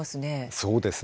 そうですね。